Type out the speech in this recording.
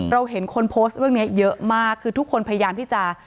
เห็นคนโพสต์เรื่องนี้เยอะมากคือทุกคนพยายามที่จะ